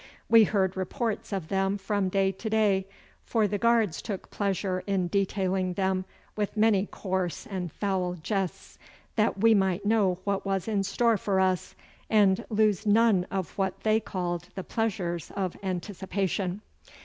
We heard reports of them from day to day, for the guards took pleasure in detailing them with many coarse and foul jests, that we might know what was in store for us, and lose none of what they called the pleasures of anticipation.